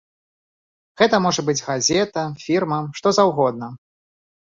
Гэта можа быць газета, фірма, што заўгодна.